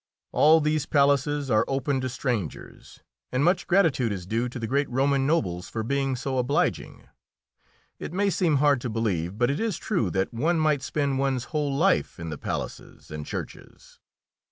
All these palaces are open to strangers, and much gratitude is due to the great Roman nobles for being so obliging. It may seem hard to believe, but it is true that one might spend one's whole life in the palaces and churches.